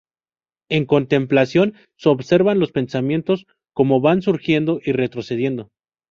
En contemplación, se observan los pensamientos como van surgiendo y retrocediendo.